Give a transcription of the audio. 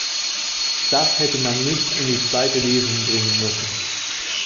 Das hätte man nicht in die Zweite Lesung bringen müssen.